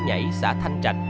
đã nhảy xã thanh trạch